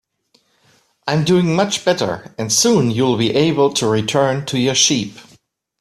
I'm doing much better, and soon you'll be able to return to your sheep.